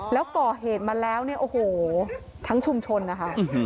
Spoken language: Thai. แล้วก่อเหตุมาแล้วเนี่ยโอ้โหทั้งชุมชนนะคะ